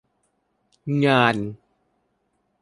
งาน